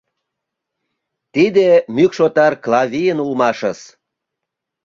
Тиде мӱкш отар Клавийын улмашыс.